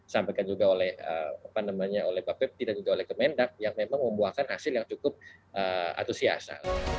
sampaikan juga oleh bapepti dan juga oleh kemendak yang memang membuahkan hasil yang cukup atusiasa